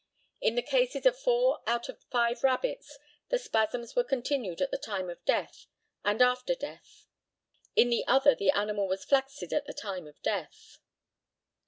In the cases of four out of five rabbits, the spasms were continued at the time of death and after death. In the other the animal was flaccid at the time of death.